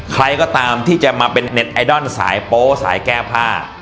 ใครก็ตามที่จะมาเป็นเน็ตไอดอลสายโป๊สายแก้ผ้า